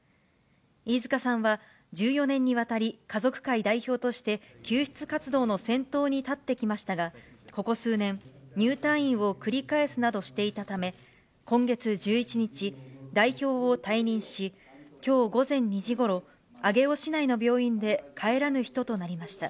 飯塚さんは１４年にわたり、家族会代表として救出活動の先頭に立ってきましたが、ここ数年、入退院を繰り返すなどしていたため、今月１１日、代表を退任し、きょう午前２時ごろ、上尾市内の病院で帰らぬ人となりました。